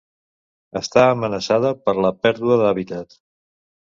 Està amenaçada per la pèrdua d'hàbitat.